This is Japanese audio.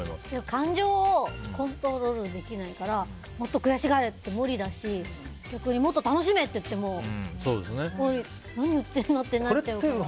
感情をコントロールできないからもっと悔しがれって無理だし逆にもっと楽しめって言っても何言ってるのってなっちゃうから。